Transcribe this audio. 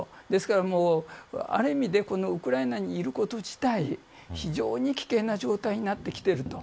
ですから、ある意味でウクライナにいること自体非常に危険な状態になってきている。